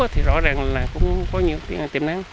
thì rõ ràng là cũng có nhiều tiền tiền nắng